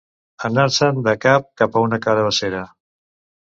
Anar-se'n del cap com una carabassera.